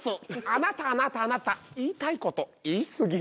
あなたあなたあなた言いたいこと言い過ぎ。